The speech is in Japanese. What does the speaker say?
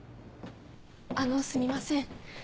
あのすみません。